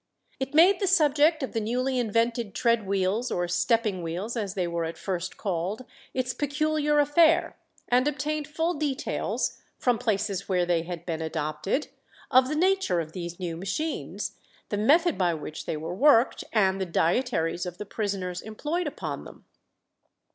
It made the subject of the newly invented tread wheels, or stepping wheels, as they were at first called, its peculiar affair, and obtained full details, from places where they had been adopted, of the nature of these new machines, the method by which they were worked, and the dietaries of the prisoners employed upon them.